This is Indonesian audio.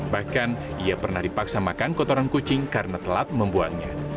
bahkan ia pernah dipaksa makan kotoran kucing karena telat membuangnya